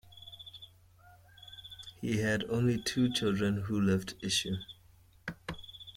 He had only two children who left issue.